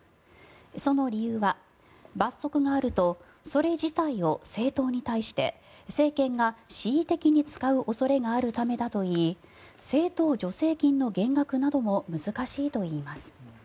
その理由は罰則があるとそれ自体を政党に対して政権が恣意的に使う恐れがあるためだと言い政党助成金の減額なども難しいといいます。